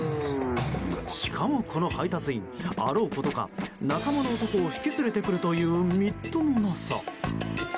しかも、この配達員あろうことか仲間の男を引き連れてくるというみっともなさ。